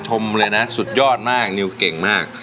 ชมเลยนะสุดยอดมากนิวเก่งมาก